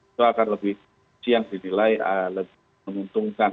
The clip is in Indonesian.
itu akan lebih siang dinilai lebih menguntungkan